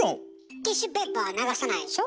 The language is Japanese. ティッシュペーパーは流さないでしょ？